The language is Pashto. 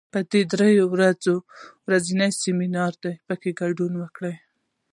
دا درې ورځنی روزنیز سیمینار دی، په کې ګډون وکړه.